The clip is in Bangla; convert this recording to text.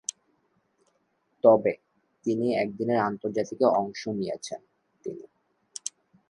তবে, তিনটি একদিনের আন্তর্জাতিকে অংশ নিয়েছেন তিনি।